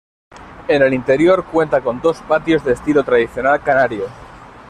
En el interior, cuenta con dos patios de estilo tradicional canario.